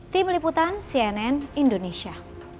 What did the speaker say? tim liputan cnn indonesia